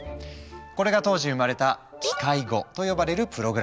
これが当時生まれた「機械語」と呼ばれるプログラミング言語。